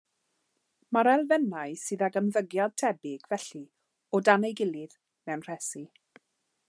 Mae'r elfennau sydd ag ymddygiad tebyg, felly, o dan ei gilydd, mewn rhesi.